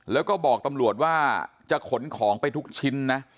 แล้วก็บอกตำรวจว่าจะขนของไปทุกชิ้นนะ